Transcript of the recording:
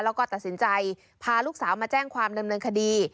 แล้วก็ตัดสินใจพาลูกสาวมาแจ้งความดำเนินคดี